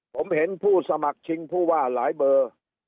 ผมเห็นผู้สมัครชิงผู้ว่าหลายเบอร์